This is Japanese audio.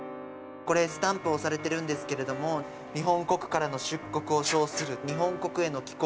これ、スタンプ押されてるんですけど、日本国からの出国を証する。